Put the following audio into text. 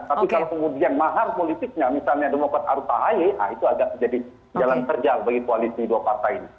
tapi kalau kemudian mahar politiknya misalnya demokrat arus ahaye itu agak jadi jalan terjal bagi koalisi dua partai ini